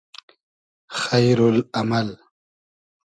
خݷرو ل امئل